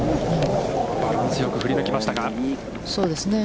バランスよく振り抜きましたが。